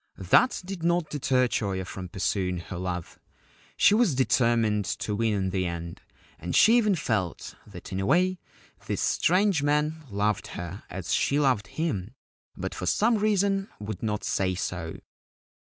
That did not deter Choyo from pursuing her love. She was determined to win in the end, and she even felt that in a way this strange man loved her as she loved him, but for some reason would not say so.